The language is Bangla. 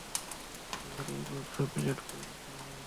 এবার এই মাংস ব্লেন্ড করে নিতে হবে।